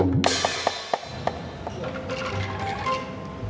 kamu beneran nggak makan iya saya sudah tadi